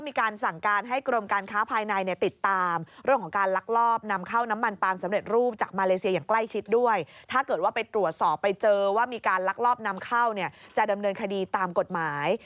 มีการลักลอบนำเข้าจะดำเนินคดีตามกฎหมาย